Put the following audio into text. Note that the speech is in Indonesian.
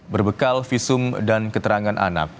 berbekal visum dan keterangan anak